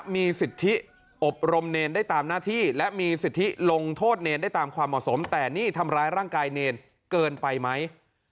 มีสิทธิลงโทษเนรนได้ตามความเหมาะสมแต่นี่ทำร้ายร่างกายเนรเกินไปไหม